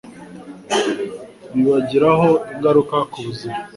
bibagiraho ingaruka ku buzima.